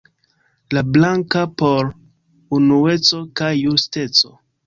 La blanka por unueco kaj justeco.